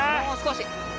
もう少し！